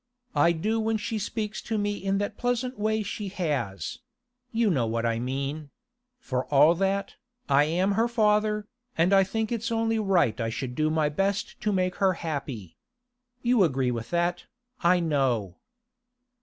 I do when she speaks to me in that pleasant way she has—you know what I mean. For all that, I am her father, and I think it's only right I should do my best to make her happy. You agree with that, I know.